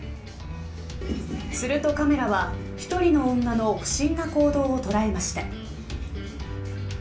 するとカメラは１人の女の不審な行動を捉えました。